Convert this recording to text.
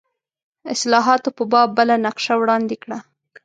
اصلاحاتو په باب بله نقشه وړاندې کړه.